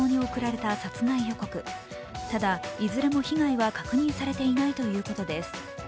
ただ、いずれも被害は確認されていないということです。